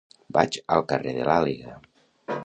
Vaig al carrer de l'Àliga.